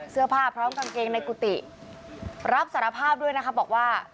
พร้อมกางเกงในกุฏิรับสารภาพด้วยนะคะบอกว่า